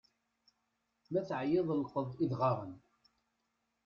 Ma teεyiḍ lqeḍ idɣaɣen!